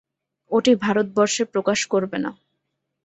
ওটি ভারতবর্ষে প্রকাশ করবে না।